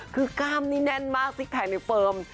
คือกล้ามนี่แน่นมากซิกแพคในเฟิร์ม